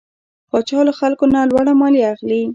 پاچا له خلکو نه لوړه ماليه اخلي .